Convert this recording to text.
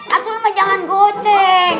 aduh jangan goceng